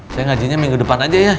saya ngajinya minggu depan aja ya